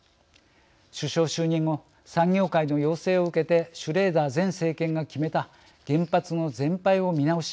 首相就任後産業界の要請を受けてシュレーダー前政権が決めた原発の全廃を見直し